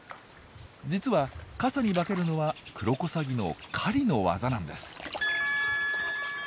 実は傘に化けるのはクロコサギの狩りの技なんです。